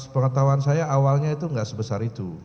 pengetahuan saya awalnya itu nggak sebesar itu